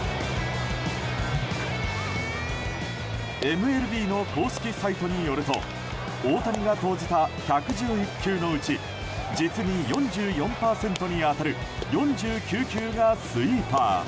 ＭＬＢの公式サイトによると大谷が投じた１１１球のうち実に４４％に当たる４９球がスイーパー。